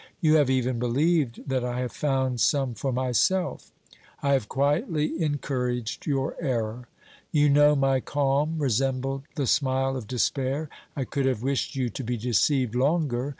You have even believed that I have found some for myself; I have quietly encouraged your error. You know my calm resembled the smile of despair ; I could have wished you to be deceived longer.